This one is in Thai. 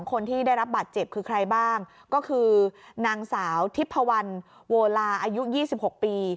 คนที่ได้รับบาดเจ็บคือใครบ้างก็คือนางสาวทิพพวันโวลาอายุ๒๖ปี